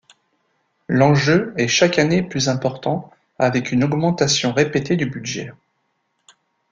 L’enjeu est chaque année plus important avec une augmentation répétée du budget.